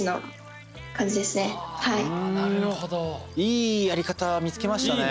いいやり方見つけましたね。